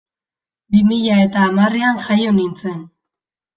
Bi mila eta hamarrean jaio nintzen.